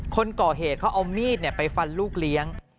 คนก่อเหตุเขาเอามีดไปฟันลูกเลี้ยง